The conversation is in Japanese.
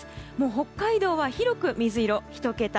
北海道は広く水色の１桁。